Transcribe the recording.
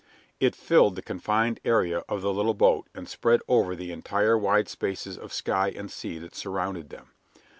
It filled the confined area of the little boat and spread over the entire wide spaces of sky and sea that surrounded them.